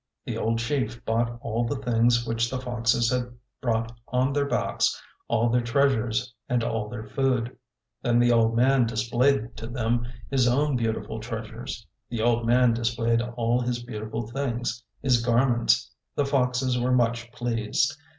The old chief bought all the things which the foxes had brought on their backs, all their treasures and all their food. Then the old man displayed to them his own beautiful treasures. The old man displayed all his beautiful things, his garments. The foxes were much pleased.